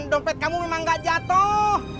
dompet kamu memang gak jatuh